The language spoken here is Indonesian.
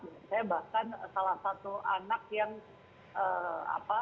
saya bahkan salah satu anak yang apa